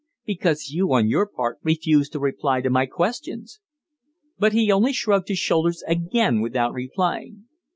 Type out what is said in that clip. "Because you, on your part, refuse to reply to my questions." But he only shrugged his shoulders again without replying.